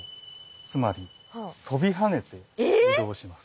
つまり跳びはねて移動します。